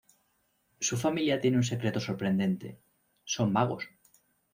Su familia tiene un secreto sorprendente: son magos.